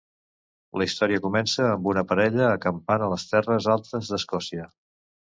La història comença amb una parella acampant a les Terres Altes d'Escòcia.